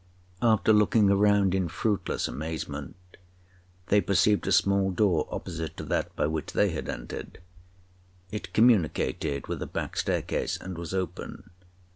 After looking around in fruitless amazement, they perceived a small door opposite to that by which they had entered. It communicated with a back staircase, and was open.